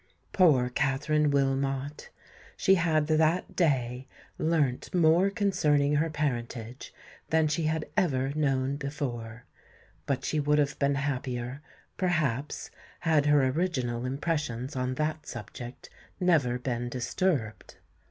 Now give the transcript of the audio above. Poor Katherine Wilmot! she had that day learnt more concerning her parentage than she had ever known before; but she would have been happier, perhaps, had her original impressions on that subject never been disturbed!